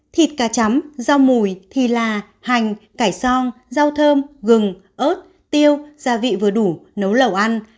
thịt cá chấm rau mùi thì là hành cải song rau thơm gừng ớt tiêu gia vị vừa đủ nấu lẩu ăn